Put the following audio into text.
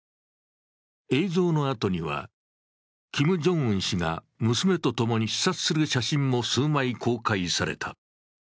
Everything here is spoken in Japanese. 映像のあとにはキム・ジョンウン氏が娘と共に視察する写真も公開された。